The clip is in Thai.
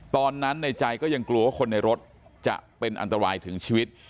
ในใจก็ยังกลัวว่าคนในรถจะเป็นอันตรายถึงชีวิต